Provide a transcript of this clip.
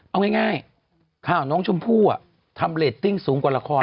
เอาง่ายข่าวน้องชมพู่ทำเรตติ้งสูงกว่าละคร